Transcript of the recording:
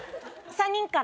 ３人から。